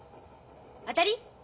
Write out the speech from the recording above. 当たり？